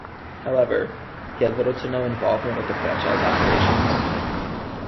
However, he had little to no involvement with franchise operations.